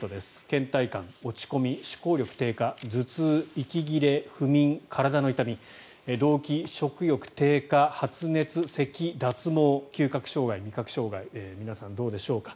けん怠感、落ち込み、思考力低下頭痛、息切れ不眠、体の痛み、動悸、食欲低下発熱、せき、脱毛嗅覚障害、味覚障害皆さん、どうでしょうか。